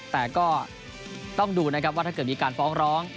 แต่ก็ต้องดูนะครับว่าถ้าเกิดมีการฟ้องร้อง